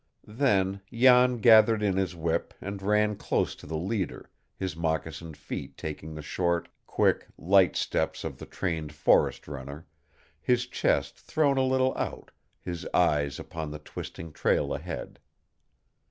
Then Jan gathered in his whip and ran close to the leader, his moccasined feet taking the short, quick, light steps of the trained forest runner, his chest thrown a little out, his eyes upon the twisting trail ahead.